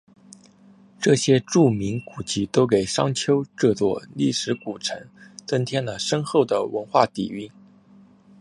这些著名古迹都给商丘这座历史古城增添了深厚的文化底蕴。